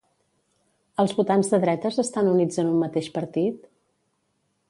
Els votants de dretes estan units en un mateix partit?